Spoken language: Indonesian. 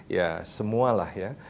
ya semualah ya